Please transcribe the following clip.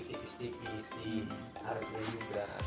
tipis tipis di aransemen yuk